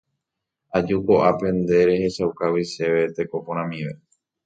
Aju ko'ápe nde rehechaukágui chéve teko porãmive.